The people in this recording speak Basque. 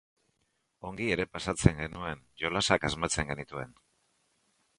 Ongi ere pasatzen genuen, jolasak asmatzen genituen.